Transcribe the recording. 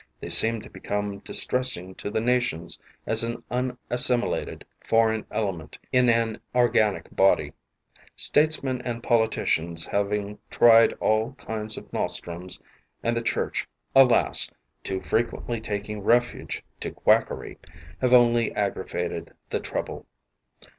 They seem to become distressing to the nations as an unassimilated foreign element in an organic body. Statesmen and politicians having tried all kinds of nostrums and the Church, alas, too frequently taking refuge to 15 quackery, have only aggravated the trouble.